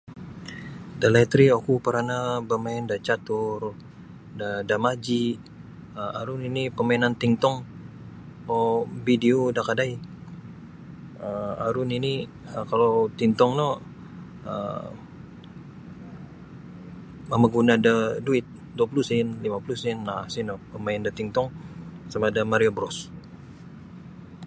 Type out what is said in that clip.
Dalaid ri oku paranah bamain da catur da dam aji um aru nini pamainan tingtong kuo video da kadai um aru nini kalau tingtong no um mamaguna da duit dua puluh sen lima puluh sen um sino bamain da tingtong sama da mario bros.